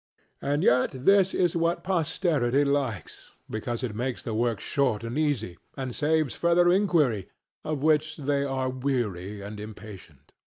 And yet this is what posterity like, because it makes the work short and easy, and saves further inquiry, of which they are weary and impatient.